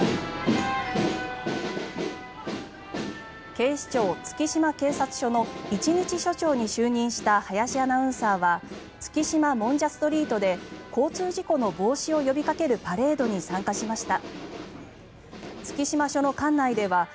警視庁月島警察署の一日署長に就任した林アナウンサーは月島もんじゃストリートで交通事故の防止を呼びかけるパレードに参加しました。